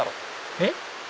えっ？